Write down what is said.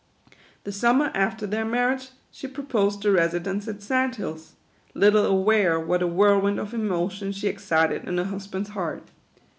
The summer after their marriage, she pro posed a residence at Sand Hills ; little aware what a whirlwind of emotion she excited in her husband's heart.